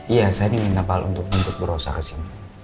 iya saya minta pak al untuk berusaha kesini